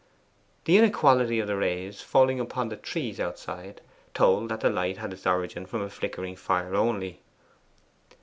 The inequality of the rays falling upon the trees outside told that the light had its origin in a flickering fire only.